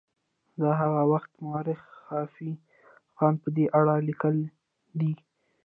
د هغه وخت مورخ خافي خان په دې اړه لیکلي دي.